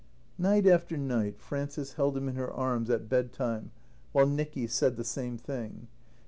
Night after night Frances held him in her arms at bed time while Nicky said the same thing.